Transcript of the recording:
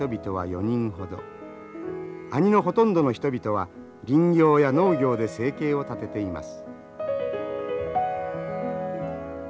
阿仁のほとんどの人々は林業や農業で生計を立てています。